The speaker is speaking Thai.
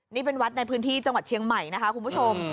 นี่เป็นวัดในพื้นที่จังหวัดเชียงใหม่นะคะคุณผู้ชม